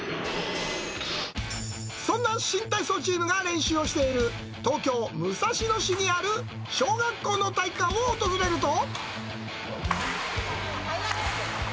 そんな新体操チームが練習をしている、東京・武蔵野市にある小学校の体育館を訪れると。